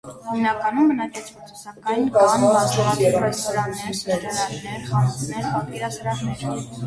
Հիմնականում բնակեցված է, սակայն կան բազմաթիվ ռեստորաններ, սրճարաններ, խանութներ, պատկերասրահներ։